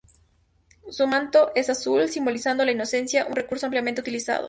Su manto es azul, simbolizando la inocencia, un recurso ampliamente utilizado.